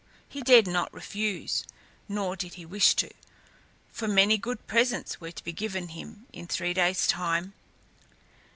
He dared not refuse, nor did he wish to, for many good presents were to be given him in three days' time.